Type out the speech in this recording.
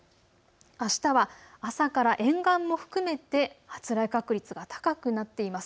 あしたは朝から沿岸も含めて発雷確率が高くなっています。